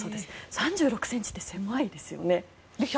３６ｃｍって狭いですよね。